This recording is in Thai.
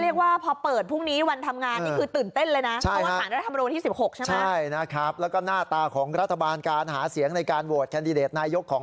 เรียกว่าพอเปิดพรุ่งนี้วันทำงานนี่คือตื่นเต้นเลยนะ